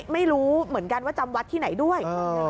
ไม่รู้เหมือนกันว่าจำวัดที่ไหนด้วย